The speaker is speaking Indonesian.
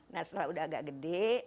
nah setelah udah agak gede